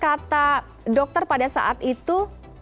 kata dokter pada saat itu